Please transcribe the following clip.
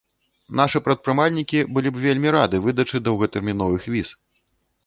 Нашы прадпрымальнікі былі б вельмі рады выдачы доўгатэрміновых віз.